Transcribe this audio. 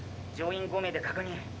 乗員５名で確認。